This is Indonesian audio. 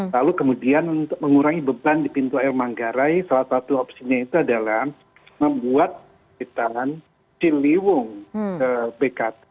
lalu kemudian untuk mengurangi beban di pintu air manggarai salah satu opsinya itu adalah membuat kita ciliwung ke bkt